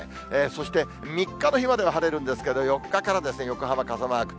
そして３日の日までは晴れるんですけど、４日から横浜傘マーク。